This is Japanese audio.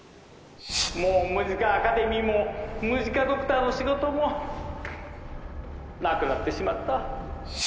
もうムジカ・アカデミーもムジカ・ドクターの仕事もなくなってしまった。